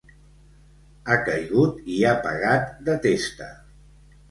Ha caigut i ha pegat de testa.